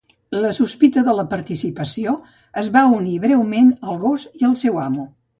La sospita de la participació es va unir breument al gos i el seu amo.